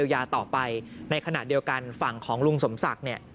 หรือเยียวยาต่อไปในขณะเดียวกันฝั่งของลุงสมศักดิ์